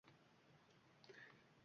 Emili Dikinson